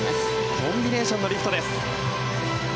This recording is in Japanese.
コンビネーションのリフトです。